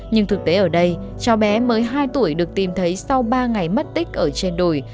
nhưng thực tế ở đây cháu bé mới hai tuổi được tìm thấy sau ba ngày mất tích ở trên đồi